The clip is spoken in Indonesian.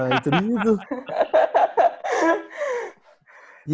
nah itu dulu tuh